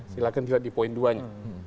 silahkan lihat di poin dua nya